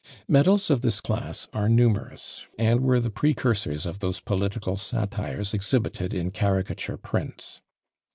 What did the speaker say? Medals of this class are numerous, and were the precursors of those political satires exhibited in caricature prints.